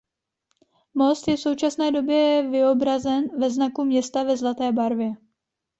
Most je v současné době vyobrazen na znaku města ve zlaté barvě.